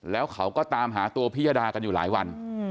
แล้วเขาก็ตามหาตัวพิยดากันอยู่หลายวัน